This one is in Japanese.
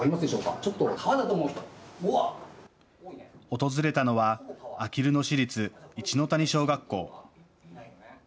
訪れたのはあきる野市立一の谷小学校。